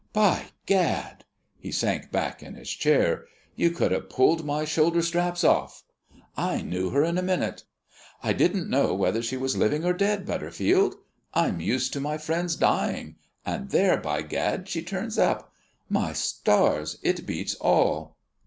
By Gad" he sank back in his chair "you could have pulled my shoulder straps off! I knew her in a minute. I didn't know whether she was living or dead, Butterfield. I'm used to my friends dying and there, by Gad, she turns up! My stars, it beats all!"